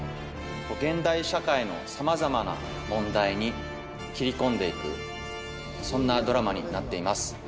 現代社会のさまざまな問題に切り込んで行くそんなドラマになっています。